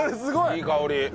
いい香り！